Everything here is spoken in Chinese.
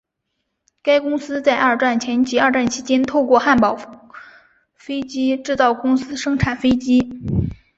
该公司在二战前及二战期间透过汉堡飞机制造公司生产飞机。